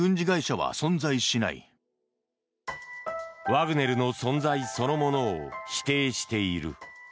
ワグネルの存在そのものを否定している。